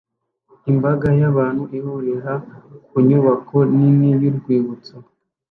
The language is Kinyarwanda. Imbaga y'abantu ihurira ku nyubako nini y'urwibutso